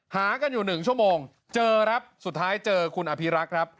หากันอยู่๑ชั่วโมงเจอครับสุดท้ายเจอคุณอภิรักษ์ครับ